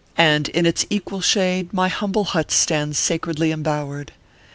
217 " and in its equal shade my humble hut stands sa credly embowered.